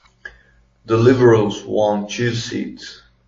The Liberals won two seats.